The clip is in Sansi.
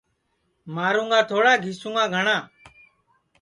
مارُوں گا تھوڑا گِیسُوں گا گھٹؔا